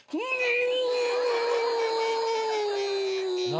何？